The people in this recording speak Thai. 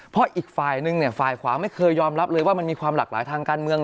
เพราะอีกฝ่ายนึงเนี่ยฝ่ายขวาไม่เคยยอมรับเลยว่ามันมีความหลากหลายทางการเมือง